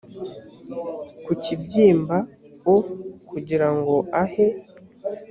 ku kibyimba o kugira ngo ahe